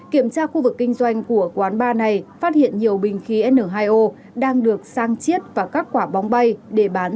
kiểm tra khu vực kinh doanh của quán bar này phát hiện nhiều bình khí n hai o đang được sang chiết và các quả bóng bay để bán